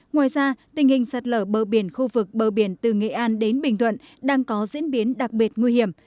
ngoài ra tình hình sạt lở bờ biển khu vực bờ biển từ nghệ an đến bình thuận đang có diễn biến đặc biệt nguy hiểm